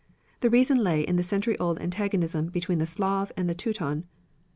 The reason lay in the century old antagonism between the Slav and the Teuton.